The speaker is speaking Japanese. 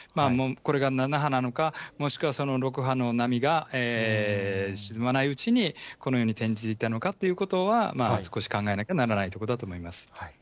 これが７波なのか、もしくは６波の波が沈まないうちにこのように転じていったのかというのは、少し考えなくてはならないところだと思います。